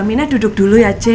aminah duduk dulu ya c